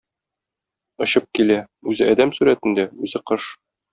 Очып килә, үзе адәм сурәтендә, үзе - кош.